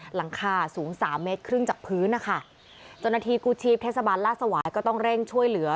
หลังคาสูงสามเมตรครึ่งจากพื้นนะคะเจ้าหน้าที่กู้ชีพเทศบาลลาดสวายก็ต้องเร่งช่วยเหลือ